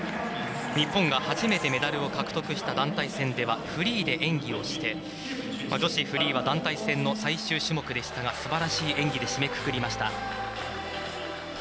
日本が初めてメダルを獲得した団体戦ではフリーで演技をして女子フリーは団体戦の最終種目でしたがすばらしい演技で締めくくりました。